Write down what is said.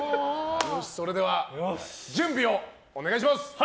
それでは、準備をお願いします。